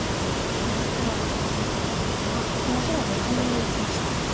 ここで黒が考慮時間ですが今白が二間に打ちました。